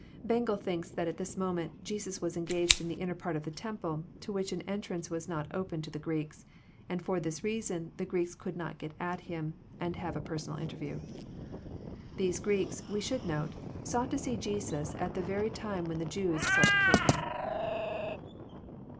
Bengel thinks that at this moment *' Jesus was engaged in the inner part of the temple, to which an entrance was not open to the Greeks," and for this reason the Greeks could not get at Him, and have a personal interview. : These Greeks, we should note, sought to see Jesus at the very / time when the Jews sought to kill Him.